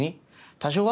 多少は？